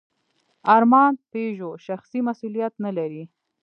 ارمان پيژو شخصي مسوولیت نهلري.